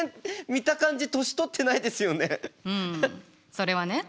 それはね